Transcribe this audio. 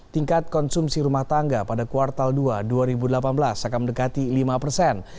tingkat konsumsi rumah tangga pada kuartal dua dua ribu delapan belas akan mendekati lima persen